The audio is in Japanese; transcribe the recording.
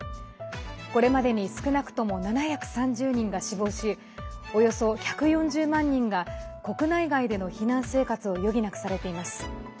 これまでに少なくとも７３０人が死亡しおよそ１４０万人が国内外での避難生活を余儀なくされています。